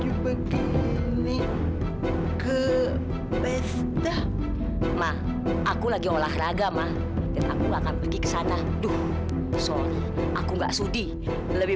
juga gini ke pesta ma aku lagi olahraga mah aku akan pergi ke sana yuk sorry aku gak sudi lebih